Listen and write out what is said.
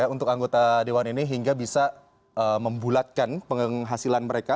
untuk anggota dewan ini hingga bisa membulatkan penghasilan mereka